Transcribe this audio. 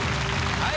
はい！